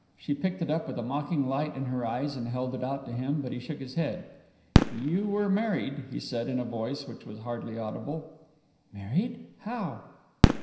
She picked it up with a mocking light in her eyes, and held it out to him, but he shook his head. "You were married," he said, in a voice which was hardly audible. "Married? How?"